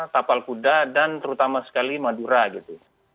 tapal kuda dan terutama sekali madura gitu